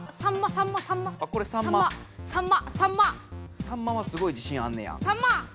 さんまはすごい自信あんねや。